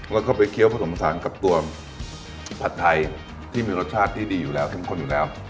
แล้วก็ไปเคี้ยวผสมผสานกับตัวผัดไทยที่มีรสชาติที่ดีอยู่แล้วเข้มข้นอยู่แล้ว